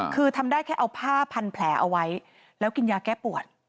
คือทำได้แค่เอาผ้าพันแผลเอาไว้แล้วกินยาแก้ปวด